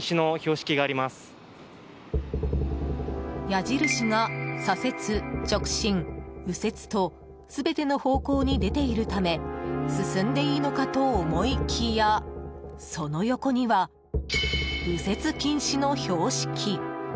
矢印が左折、直進、右折と全ての方向に出ているため進んでいいのかと思いきやその横には、右折禁止の標識。